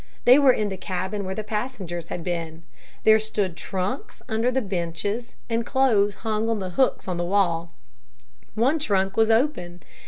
They were in the cabin where the passengers had been. There stood trunks under the benches and clothes hung on the hooks on the wall. One trunk was open.